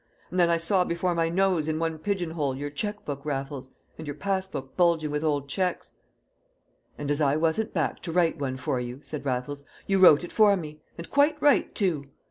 And then I saw before my nose in one pigeon hole your cheque book, Raffles, and your pass book bulging with old cheques." "And as I wasn't back to write one for you," said Raffles, "you wrote it for me. And quite right, too!"